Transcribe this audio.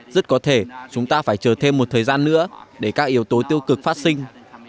rất có thể chúng ta phải chờ thêm một thời gian nữa để các yếu tố tiêu cực phát sinh